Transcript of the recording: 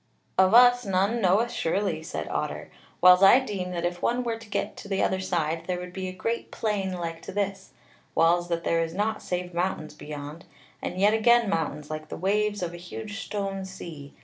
"Of us none knoweth surely," said Otter; "whiles I deem that if one were to get to the other side there would be a great plain like to this: whiles that there is naught save mountains beyond, and yet again mountains, like the waves of a huge stone sea.